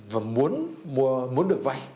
và muốn được vay